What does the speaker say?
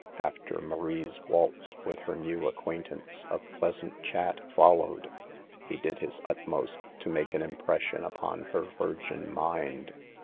After Marie's waltz with her new acquaint ance a pleasant chat followed. He did his utmost to make an impression upon her virgin mind.